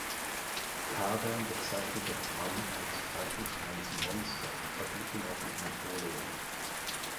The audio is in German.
Kagan bezeichnete Trump als „Frankensteins Monster“ und verglich ihn auch mit Napoleon.